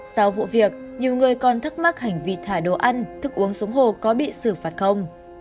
sau vụ việc nhiều người còn thắc mắc hành vị thải đồ ăn thức uống xuống hồ có bị xử phạt không